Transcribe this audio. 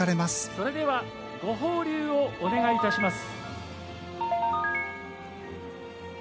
それではご放流をお願いいたします。